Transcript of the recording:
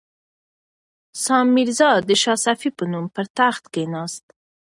سام میرزا د شاه صفي په نوم پر تخت کښېناست.